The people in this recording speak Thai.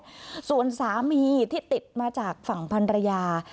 นี่แหละส่วนสามีที่ติดมาจากฝั่งพันธรรยา